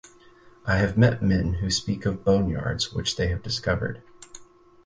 I have met men who speak of boneyards which they have discovered.